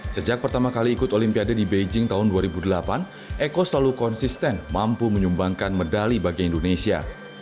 sejak pertama kali ikut olimpiade di beijing tahun dua ribu delapan eko selalu konsisten mampu menyumbangkan medali bagi indonesia